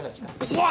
うわ！